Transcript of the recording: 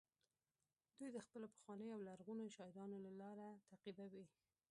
دوی د خپلو پخوانیو او لرغونو شاعرانو لاره تعقیبوي